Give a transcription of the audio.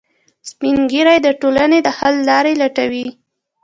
سپین ږیری د ټولنې د حل لارې لټوي